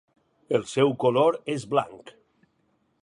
El seu color és blanc.